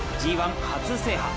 ＧⅠ初制覇。